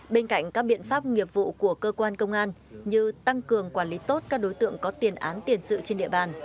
bên cạnh các biện pháp nghiệp vụ của cơ quan công an như tăng cường quản lý tốt các đối tượng có tiền án tiền sự trên địa bàn